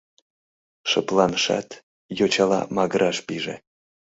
Шыпланышат, йочала магыраш пиже.